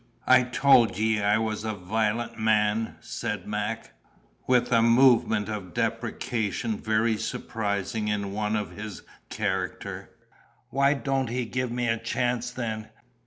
"I told ye I was a voilent man," said Mac, with a movement of deprecation very surprising in one of his character. "Why don't he give me a chance then?